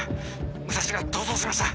武蔵が逃走しました！